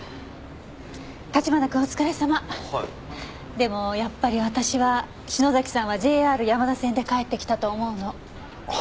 でもやっぱり私は篠崎さんはＪＲ山田線で帰ってきたと思うの。は？